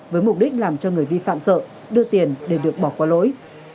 với mục đích làm cho người vi phạm sợ đưa tiền để được bỏ qua lỗi